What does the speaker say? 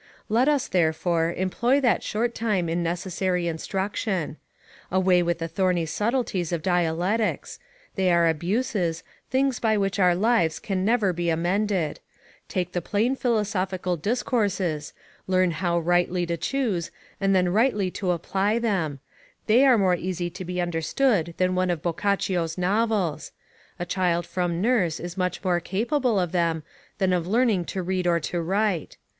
Let us, therefore, employ that short time in necessary instruction. Away with the thorny subtleties of dialectics; they are abuses, things by which our lives can never be amended: take the plain philosophical discourses, learn how rightly to choose, and then rightly to apply them; they are more easy to be understood than one of Boccaccio's novels; a child from nurse is much more capable of them, than of learning to read or to write.